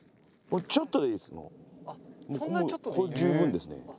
これで十分ですね。